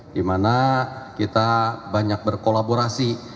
dimana kita banyak berkolaborasi